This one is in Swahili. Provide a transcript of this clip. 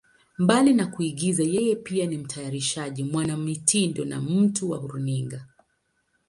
Mbali na kuigiza, yeye pia ni mtayarishaji, mwanamitindo na mtu wa runinga.